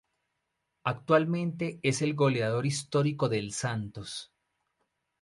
Actualmente es el goleador histórico del Santos.